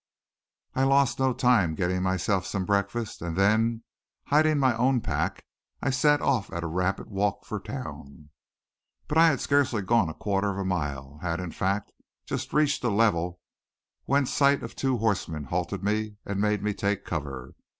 I lost no time getting myself some breakfast, and then, hiding my own pack, I set off at a rapid walk for town. But I had scarcely gone a quarter of a mile, had, in fact, just reached a level, when sight of two horsemen halted me and made me take to cover.